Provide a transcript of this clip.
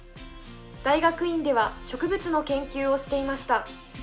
大学院では植物の研究をしていました。